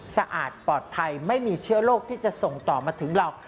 สะอาดปลอดภัยไม่มีเชื้อโรคที่จะส่งต่อมาถึงเรา